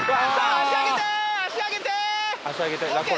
足上げて足上げてＯＫ